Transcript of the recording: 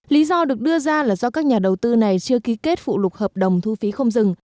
lý do được đưa ra là do các nhà đầu tư này chưa ký kết phụ lục hợp đồng thu phí không dừng